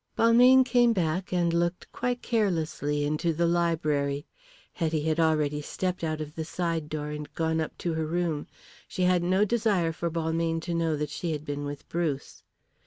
Balmayne came back and looked quite carelessly into the library. Hetty had already stepped out of the side door and had gone up to her room. She had no desire for Balmayne to know that she had been with Bruce.